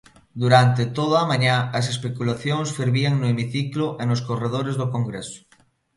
Durante todo a mañá as especulacións fervían no hemiciclo e nos corredores do Congreso.